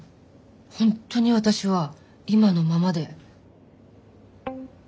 本当に私は今のままで。